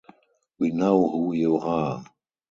We know who you are.